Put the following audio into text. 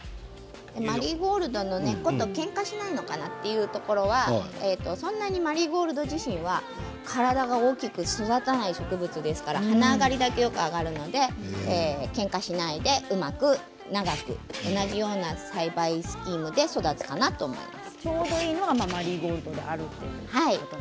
マリーゴールドの根っことけんかしないのかなというところはそんなにマリーゴールド自身は体が大きく育たない植物ですから花上がりだけよく上がるのでけんかしないでうまく長く同じような栽培スキームで育つかなと思います。